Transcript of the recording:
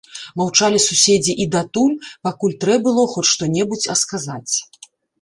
Маўчалі суседзі і датуль, пакуль трэ было хоць што-небудзь а сказаць.